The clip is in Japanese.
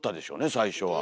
最初は。